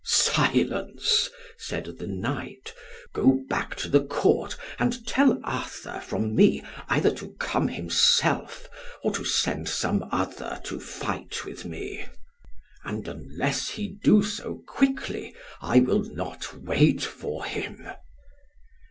"Silence," said the knight; "go back to the Court, and tell Arthur, from me, either to come himself, or to send some other to fight with me; and unless he do so quickly, I will not wait for him."